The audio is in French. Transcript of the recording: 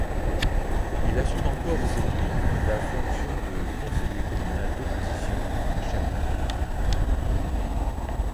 Il assume encore aujourd'hui la fonction de Conseiller communal d'opposition à Schaerbeek.